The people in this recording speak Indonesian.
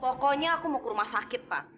pokoknya aku mau ke rumah sakit pak